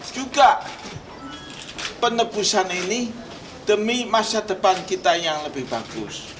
juga penebusan ini demi masa depan kita yang lebih bagus